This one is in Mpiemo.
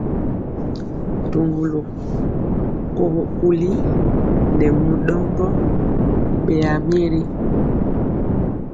Ntuŋgulu, kogo kuli nɛ mu ɗɔmbɔ i ɓeyaa myeri.